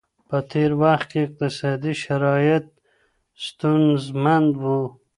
په تېر وخت کي اقتصادي شرايط ستونزمن وو.